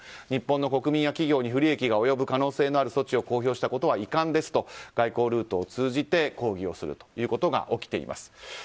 日本の国民や企業に不利益が及ぶ可能性のある措置を公表したことは遺憾ですと外交ルートを通じて抗議することが起きています。